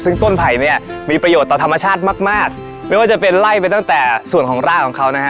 ซึ่งต้นไผ่เนี่ยมีประโยชน์ต่อธรรมชาติมากมากไม่ว่าจะเป็นไล่ไปตั้งแต่ส่วนของรากของเขานะฮะ